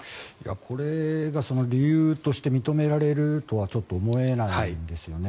これが理由として認められるとはちょっと思えないですよね。